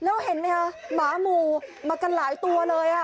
แล้วเห็นไหมคะหมาหมู่มากันหลายตัวเลยค่ะ